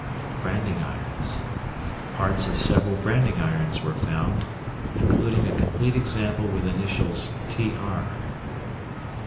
Branding Irons. Parts of several branding irons were found including a complete example with initials "TR."